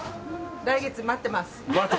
来月、待ってます。